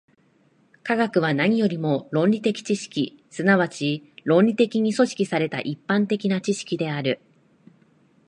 科学は何よりも理論的知識、即ち論理的に組織された一般的な知識である。